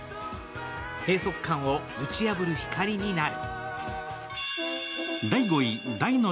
閉塞感を打ち破る光になる。